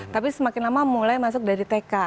tapi semakin lama mulai masuk dari tk